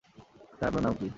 Sir, আপনার নাম কী?